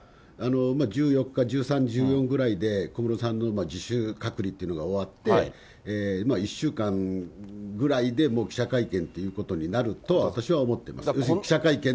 １４日、１３、１４ぐらいで、小室さんの自主隔離っていうのが終わって、１週間ぐらいでもう記者会見ということになるとは私は思ってます。